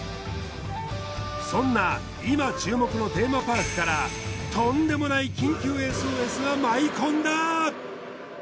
そんな今注目のテーマパークからとんでもない緊急ＳＯＳが舞い込んだ。